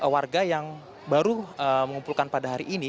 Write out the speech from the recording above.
warga yang baru mengumpulkan pada hari ini